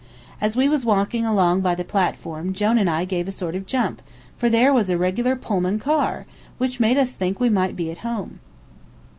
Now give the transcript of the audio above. As we was walking along by the platform Jone and I gave a sort of a jump, for there was a regular Pullman car, which made us think we might be at home.